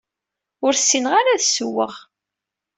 Ur ssineɣ ara ad ssewweɣ.